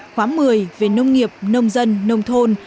khóa một mươi về nông nghiệp nông dân nông thôn